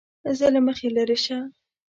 زه له مخې لېرې شه!